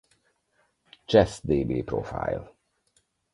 Chess-db profile